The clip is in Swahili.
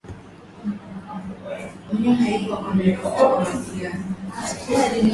nani ana wajibu wa kufanya yuani ya china iongezeke dhamani kwa sababu